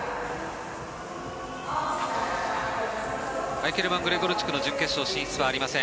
アイケルマン・グレゴルチュクの準決勝進出はありません。